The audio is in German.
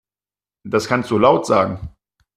Das kannst du laut sagen.